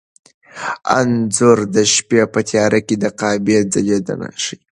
انځور د شپې په تیاره کې د کعبې ځلېدنه ښيي.